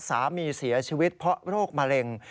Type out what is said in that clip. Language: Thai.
สามีเสียชีวิตเพราะโรคมะเร็ง